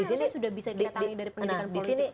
ini kan sudah bisa dikatakan dari pendidikan politik sejauh ini